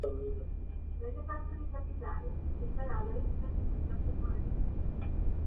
Venne fatto decapitare, e il cadavere venne buttato in mare.